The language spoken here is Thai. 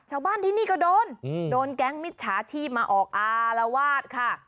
ชาวบ้านที่นี่ก็โดนโดนแก๊งมิจฉาชีพมาออกอารวาสค่ะ